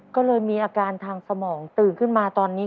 ก็เลยมีอาการทางสมองตื่นขึ้นมาตอนนี้